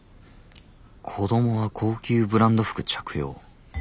子供は高級ブランド服着用。